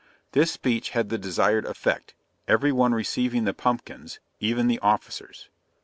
This speech had the desired effect, every one receiving the pumpkins, even the officers.